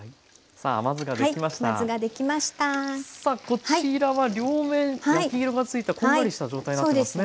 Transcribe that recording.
さあこちらは両面焼き色がついたこんがりした状態になってますね。